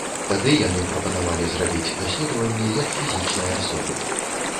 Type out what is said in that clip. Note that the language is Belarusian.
Тады яны прапанавалі зрабіць даследаванне як фізічнай асобе.